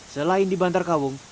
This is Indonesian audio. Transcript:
selain di bantar kawung